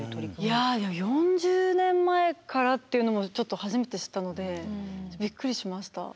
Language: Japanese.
いや４０年前からっていうのもちょっと初めて知ったのでびっくりしました。